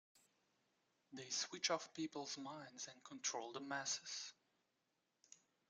They switch off people's minds and control the masses.